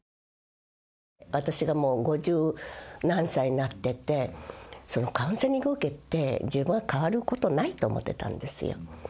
私がもう五十何歳になっててそのカウンセリングを受けて自分は変わることないと思ってたんですよ